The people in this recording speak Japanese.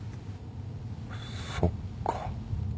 そっか。